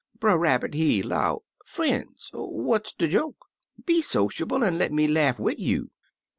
Brer Rabbit, he 'low, 'Frien's, what's de joke? Be sociable an' Ic' me laugh wid you.'